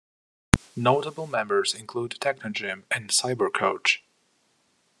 Notable members include Technogym and Cyber coach.